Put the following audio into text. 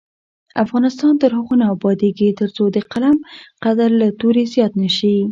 افغانستان تر هغو نه ابادیږي، ترڅو د قلم قدر له تورې زیات نه شي.